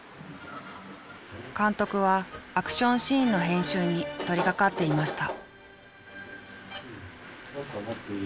監督はアクションシーンの編集に取りかかっていました。